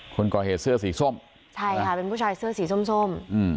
คนก่อเหตุเสื้อสีส้มใช่ค่ะเป็นผู้ชายเสื้อสีส้มส้มอืม